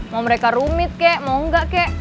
mau mereka rumit kek mau enggak kek